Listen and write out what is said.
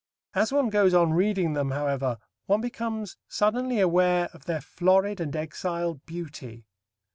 As one goes on reading them, however, one becomes suddenly aware of their florid and exiled beauty.